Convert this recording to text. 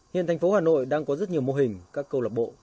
hiện thành phố hà nội đang có rất nhiều mô hình các câu lạc bộ